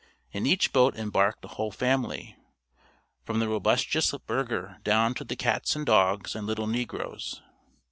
In each boat embarked a whole family, from the robustious burgher down to the cats and dogs and little negroes.